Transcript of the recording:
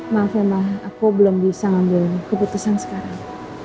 maaf emang aku belum bisa ngambil keputusan sekarang